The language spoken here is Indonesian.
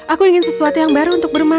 aku ingin sesuatu yang baru untuk bermain